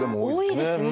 多いですね